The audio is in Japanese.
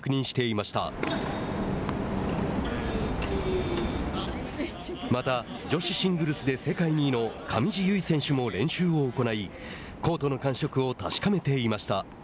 また、女子シングルスで世界２位の上地結衣選手も練習を行いコートの感触を確かめていました。